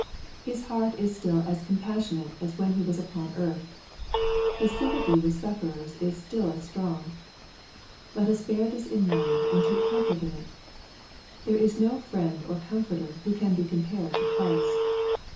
His heart ib still as compassionate as when He was upon earth. His sym pathy with sufferers is still as strong. Let us bear this in mind^ and take comfort in it. There is no friend or comforter who can be compared to Christ.